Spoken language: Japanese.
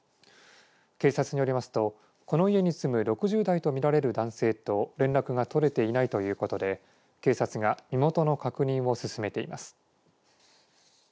警察によりますとこの家に住む６０代と見られる男性と連絡が取れていないということで警察が身元の確認を進めています。